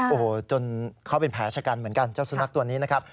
โอ้โหจนเขาเป็นแผลชะกันเหมือนกันเจ้าสุนัขตัวนี้นะครับ